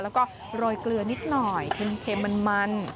แล้วก็โรยเกลือนิดหน่อยเค็มมัน